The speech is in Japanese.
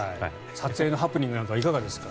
撮影のハプニングなんかどうですか。